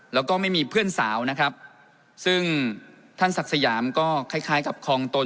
แล้วก็ไม่มีเพื่อนสาวนะครับซึ่งท่านศักดิ์สยามก็คล้ายคล้ายกับคลองตน